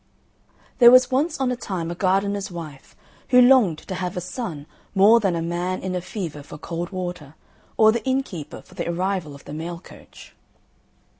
There was once on a time a gardener's wife, who longed to have a son more than a man in a fever for cold water, or the innkeeper for the arrival of the mail coach.